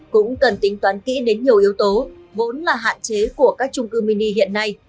cũng cần tính toán kỹ đến nhiều yếu tố vốn là hạn chế của các trung cư mini hiện nay